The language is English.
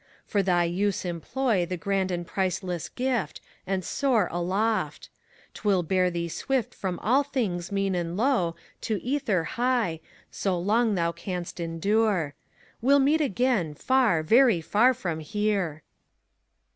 For thy use employ The grand and priceless gift, and soar aloft I 'T will bear thee swift from all things mean and low To ether high, so long thou canst endure. Well meet again, far, very far from here.